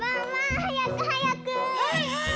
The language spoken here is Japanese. はいはい！